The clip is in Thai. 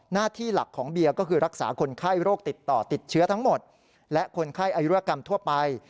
หน้าที่หลักของเบียร์ก็คือรักษาคนไข้โรคติดต่อติดเชื้อทั้งหมดและคนไข้อายุรกรรมทั่วไป